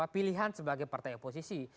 pilihan sebagai partai oposisi